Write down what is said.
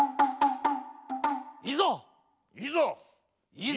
いざ！